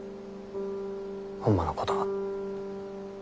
ホンマのことは。